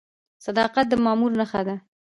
صداقت د مامور نښه ده؟